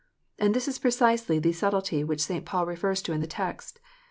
And this is precisely the "subtilty" which St. Paul refers to in the text.